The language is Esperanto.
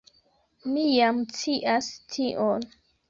Mi jam scias tion.